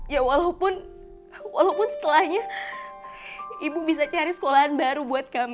ya walaupun setelahnya ibu bisa cari sekolahan baru buat kamu